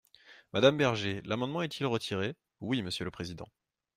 Madame Berger, l’amendement est-il retiré ? Oui, monsieur le président.